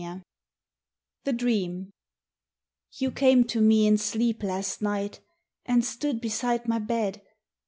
86 THE DREAM You came to me in sleep last night, And stood beside my bed.